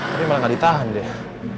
tapi malah nggak ditahan deh